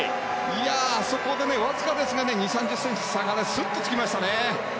あそこでわずかですが２０３０ｃｍ差がスッとつきましたね。